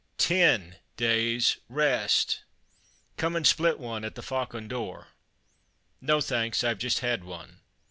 Ten days' rest!!" "Come and split one at the Faucon d'Or?" "No thanks, I've just had one."